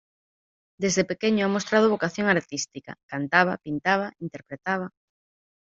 Desde pequeño ha mostrado vocación artística: cantaba, pintaba, interpretaba.